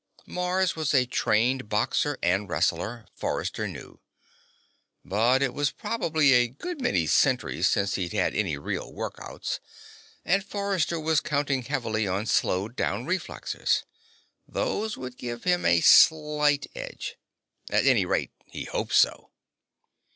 Mars was a trained boxer and wrestler, Forrester knew. But it was probably a good many centuries since he'd had any real workouts, and Forrester was counting heavily on slowed down reflexes. Those would give him a slight edge. At any rate, he hoped so.